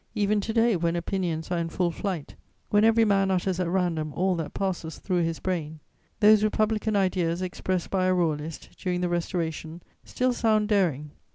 Even to day, when opinions are in full flight, when every man utters at random all that passes through his brain, those Republican ideas expressed by a Royalist during the Restoration still sound daring.